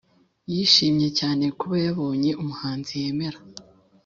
yishimye cyane kuba yabonye umuhanzi yemera